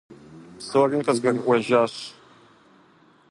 Псори къызгурыӀуэжащ.